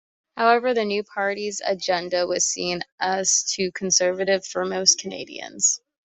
However, the new party's agenda was seen as too conservative for most Canadians.